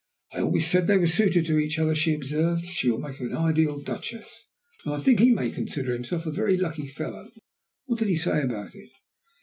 "I always said that they were suited to each other," she observed. "She will make an ideal Duchess, and I think he may consider himself a very lucky fellow. What did he say about it?"